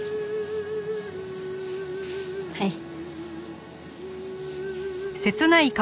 はい。